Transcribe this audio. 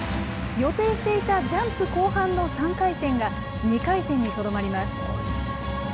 予定していたジャンプ後半の３回転が、２回転にとどまります。